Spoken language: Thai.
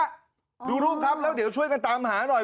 ดูรูปครับแล้วเดี๋ยวช่วยกันตามหาหน่อย